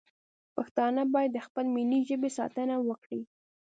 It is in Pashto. پښتانه باید د خپلې ملي ژبې ساتنه وکړي